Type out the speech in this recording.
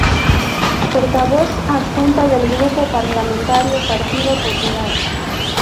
Portavoz Adjunta del Grupo Parlamentario Partido Popular.